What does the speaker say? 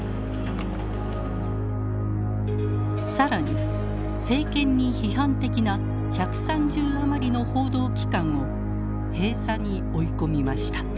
更に政権に批判的な１３０余りの報道機関を閉鎖に追い込みました。